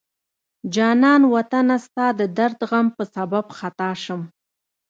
جانان وطنه ستا د درد غم په سبب خطا شم